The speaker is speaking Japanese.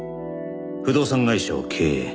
不動産会社を経営